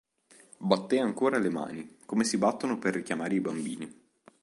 Battè ancora le mani, come si battono per richiamare i bambini.